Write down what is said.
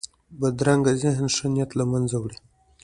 بدرنګه ذهن ښه نیت له منځه وړي